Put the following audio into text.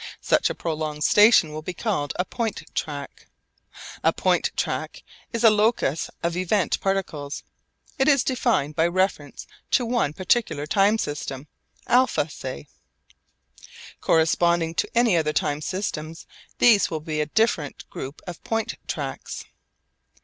Such a prolonged station will be called a point track. A point track is a locus of event particles. It is defined by reference to one particular time system, α say. Corresponding to any other time system these will be a different group of point tracks.